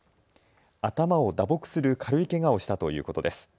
頭を打撲する軽いけがをしたということです。